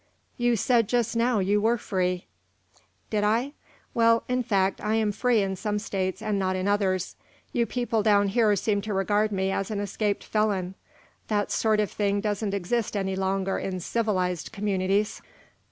"You said just now you were free." "Did I? Well, in fact I am free in some States and not in others. You people down here seem to regard me as an escaped felon. That sort of thing doesn't exist any longer in civilized communities."